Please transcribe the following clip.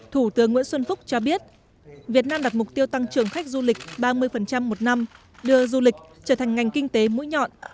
thủ tướng nguyễn xuân phúc cho biết việt nam đặt mục tiêu tăng trưởng khách du lịch ba mươi một năm đưa du lịch trở thành ngành kinh tế mũi nhọn